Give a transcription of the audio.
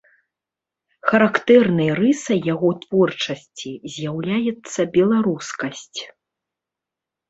Характэрнай рысай яго творчасці з'яўляецца беларускасць.